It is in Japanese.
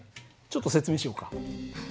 ちょっと説明しようか。